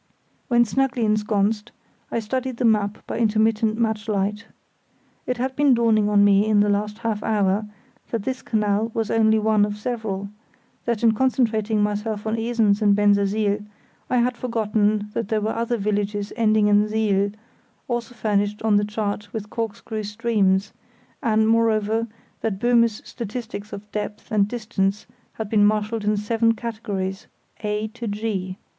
When snugly ensconced, I studied the map by intermittent match light. It had been dawning on me in the last half hour that this canal was only one of several; that in concentrating myself on Esens and Bensersiel, I had forgotten that there were other villages ending in siel, also furnished on the chart with corkscrew streams; and, moreover, that Böhme's statistics of depth and distance had been marshalled in seven categories, A to G.